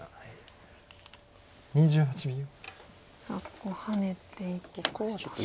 ここハネていきましたね。